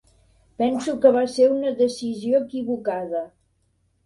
Penso que va ser una decisió equivocada.